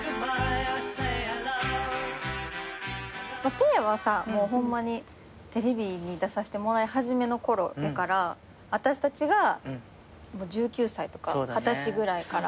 ぺえはさホンマにテレビに出させてもらいはじめの頃やから私たちが１９歳とか二十歳ぐらいから。